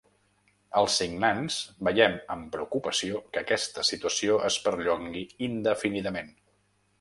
Els signants veiem amb preocupació que aquesta situació es perllongui indefinidament.